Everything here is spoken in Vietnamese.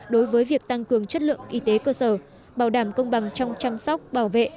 đối với việc tăng cường chất lượng y tế cơ sở bảo đảm công bằng trong chăm sóc bảo vệ